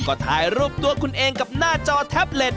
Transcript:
ก็ถ่ายรูปตัวคุณเองกับหน้าจอแท็บเล็ต